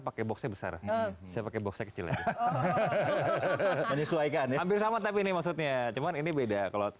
pakai box besar saya pakai box kecil lagi disuaikan ambil sama tapi ini maksudnya cuman ini beda kalau